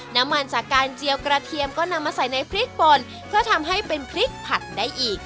น้ำมันจากการเจียวกระเทียมก็นำมาใส่ในพริกป่นเพื่อทำให้เป็นพริกผัดได้อีก